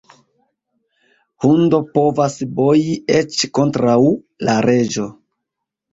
Hundo povas boji eĉ kontraŭ la reĝo.